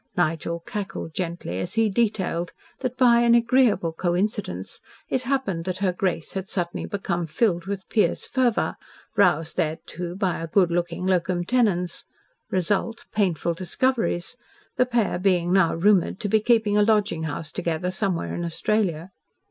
Nigel cackled gently as he detailed that, by an agreeable coincidence, it happened that her Grace had suddenly become filled with pious fervour roused thereto by a good looking locum tenens result, painful discoveries the pair being now rumoured to be keeping a lodging house together somewhere in Australia.